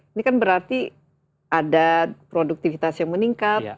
ini kan berarti ada produktivitas yang meningkat